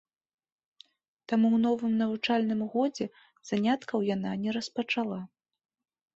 Таму ў новым навучальным годзе заняткаў яна не распачала.